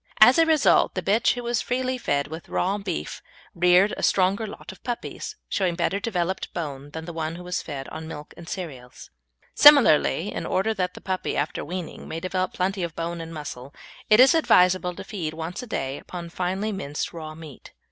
As a result the bitch who was freely fed with raw beef reared a stronger lot of puppies, showing better developed bone, than did the one who was fed on milk and cereals. Similarly, in order that the puppy, after weaning, may develop plenty of bone and muscle, it is advisable to feed once a day upon finely minced raw meat.